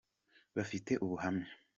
bafite ubuhamya.